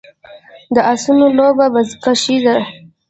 د اسونو لوبه بزکشي ده